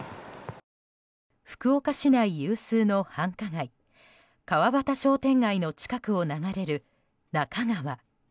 福岡市内有数の繁華街の近くを流れる那珂川。